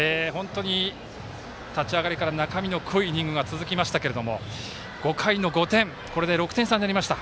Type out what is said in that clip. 立ち上がりから中身の濃いイニングが続きましたが５回の５点これで６点差になりました。